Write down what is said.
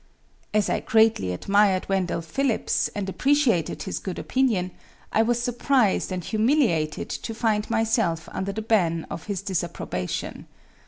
As I greatly admired Wendell Phillips, and appreciated his good opinion, I was surprised and humiliated to find myself under the ban of his disapprobation.